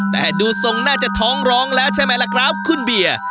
แต่ดูทรงน่าจะท้องร้องแล้วใช่ไหมล่ะครับคุณเบียร์